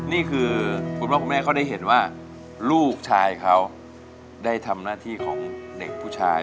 นี่คือคุณพ่อคุณแม่เขาได้เห็นว่าลูกชายเขาได้ทำหน้าที่ของเด็กผู้ชาย